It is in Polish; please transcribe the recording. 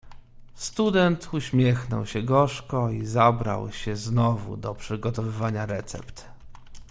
"Student uśmiechnął się gorzko i zabrał się znowu do przygotowywania recept."